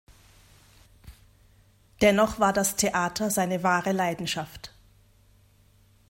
Dennoch war das Theater seine wahre Leidenschaft.